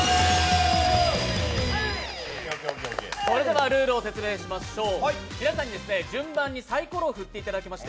続くルールを説明しましょう。